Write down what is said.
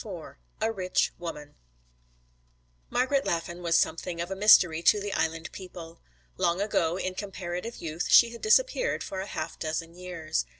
IV A RICH WOMAN Margret Laffan was something of a mystery to the Island people. Long ago in comparative youth she had disappeared for a half dozen years.